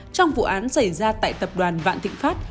trong vụ án xảy ra tại tập đoàn vạn thịnh pháp